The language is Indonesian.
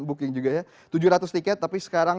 booking juga ya tujuh ratus tiket tapi sekarang